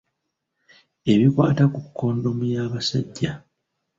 Ebikwata ku kondomu y’abasajja.